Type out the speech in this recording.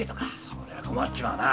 それは困っちまうな。